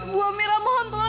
bu amira mohon tuhan